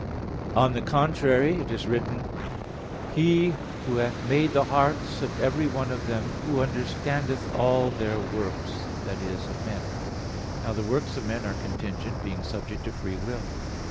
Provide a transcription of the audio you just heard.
On the contrary, It is written (Ps. 32:15), "He Who hath made the hearts of every one of them; Who understandeth all their works," i.e. of men. Now the works of men are contingent, being subject to free will.